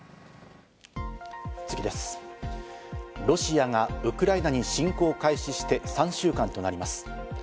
ロシアがウクライナに侵攻を開始して３週間となります。